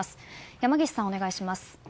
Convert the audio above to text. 山岸さん、お願いします。